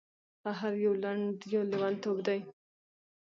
قهر یو لنډ لیونتوب دی.